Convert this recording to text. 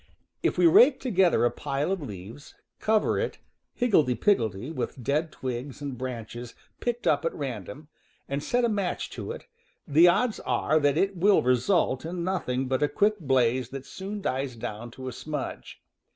If we rake together a pile of leaves, cover it higgledy piggledy with dead twigs and branches picked up at random, and set a match to it, the odds are that it will result in nothing but a quick blaze that soon dies down to a smudge.